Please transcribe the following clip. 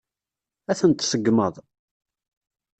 Ad tent-tseggmeḍ?